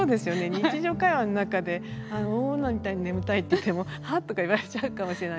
日常会話の中で大女みたいに眠たいって言ってもは？とか言われちゃうかもしれない。